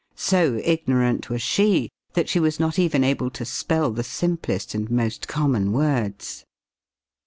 So ignorant was she that she was not even able to spell the simplest and most common words.